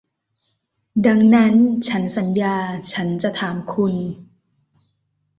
ดังนั้นฉันสัญญาฉันจะถามคุณ